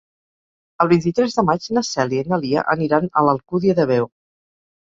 El vint-i-tres de maig na Cèlia i na Lia aniran a l'Alcúdia de Veo.